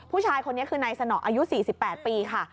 ผู้ชายคนนี้คือนายสนออายุ๔๘ปีค่ะ